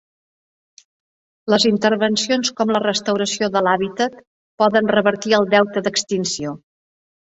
Les intervencions com la restauració de l'hàbitat poden revertir el deute d'extinció.